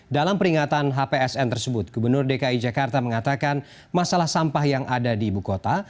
dalam peringatan hpsn tersebut gubernur dki jakarta mengatakan masalah sampah yang ada di ibu kota